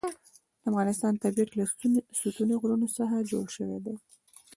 د افغانستان طبیعت له ستوني غرونه څخه جوړ شوی دی.